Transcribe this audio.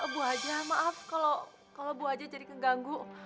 bu haji maaf kalau bu haji jadi keganggu